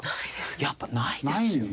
やっぱりないですよね。